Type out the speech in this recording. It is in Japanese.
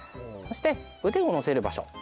そして腕を乗せる場所。